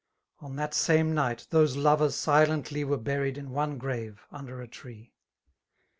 On that same nighty those lovers silently Were buried in one grave> under a tree.